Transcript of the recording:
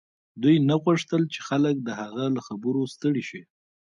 دوی نه غوښتل چې خلک د هغه له خبرو ستړي شي